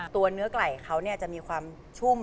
ตัวเนื้อกล่ายคลั่วจะมีความชุ้ม